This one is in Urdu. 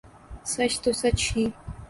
سچ تو سچ ہی